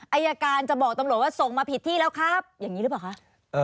อายการจะบอกตำรวจว่าส่งมาผิดที่แล้วครับอย่างนี้หรือเปล่าคะ